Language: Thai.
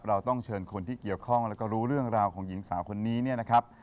เราต้องเชิญคนที่เกี่ยวข้องแล้วก็รู้เรื่องราวของหญิงสาวคนนี้เนี่ยนะครับ